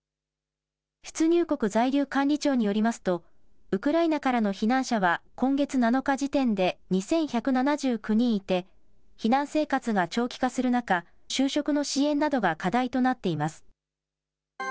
出入国在留管理庁によりますと、ウクライナからの避難者は今月７日時点で２１７９人いて、避難生活が長期化する中、就職の支援などが課題となっています。